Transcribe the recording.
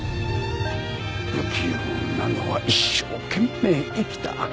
不器用なのは一生懸命生きた証し。